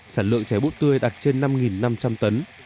sản lượng trè bút tươi đạt trên năm năm trăm linh tấn